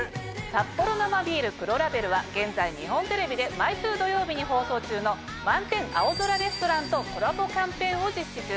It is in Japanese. サッポロ生ビール黒ラベルは現在日本テレビで毎週土曜日に放送中の『満天☆青空レストラン』とコラボキャンペーンを実施中。